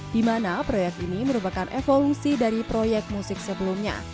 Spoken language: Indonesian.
dimana proyek ini merupakan evolusi dari proyek musik sebelumnya